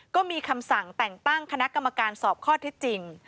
ก็มีคำสั่งแต่งตั้งคณะกรรมการสอบข้อเท็จจริง